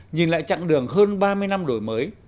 nhìn lại chặng đường hơn ba mươi năm đổi mới